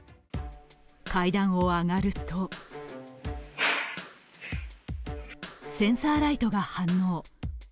階段を上がるとセンサーライトが反応。